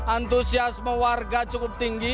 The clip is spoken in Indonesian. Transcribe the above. antusiasme warga cukup tinggi